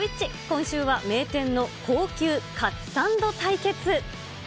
今週は名店の高級カツサンド対決。